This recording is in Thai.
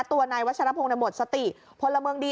ตัวในวัชนภงในหมดสติพลเมืองดี